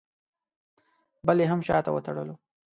بل یې هم شاته وتړلو.